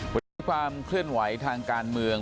วันนี้มีความเคลื่อนไหวทางการเมือง